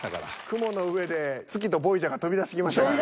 雲の上で月とボイジャーが飛び出してきましたから。